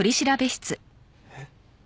えっ？